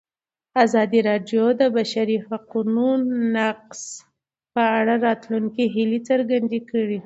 ازادي راډیو د د بشري حقونو نقض په اړه د راتلونکي هیلې څرګندې کړې.